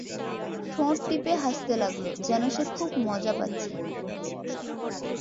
ঠোঁট টিপে হাসতে লাগল, যেন সে খুব মজা পাচ্ছে।